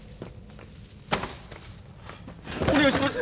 お願いします